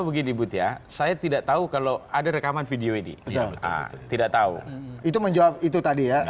begini but ya saya tidak tahu kalau ada rekaman video ini tidak tahu itu menjawab itu tadi ya